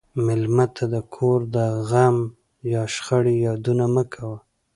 مېلمه ته د کور د غم یا شخړې یادونه مه کوه.